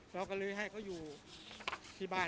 เราก็เลยให้เขาอยู่ที่บ้าน